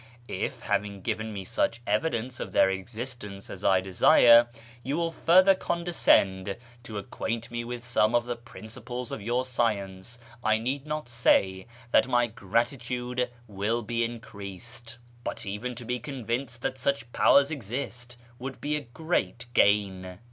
If, having given me such evidence of their existence as I desire, you will further condescend to acquaint me with some of the principles of your science, I need not say that my gratitude will be increased. But even to be convinced that such powers exist would be a great gain."